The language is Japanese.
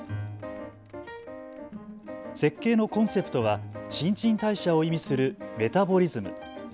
設計のコンセプトは新陳代謝を意味するメタボリズム。